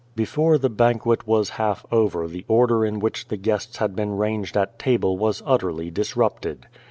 Before the banquet was half over the order in which th«i guests had been ranged at table was utterly disrupted.